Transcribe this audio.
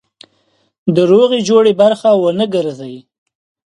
د روغې جوړې برخه ونه ګرځي.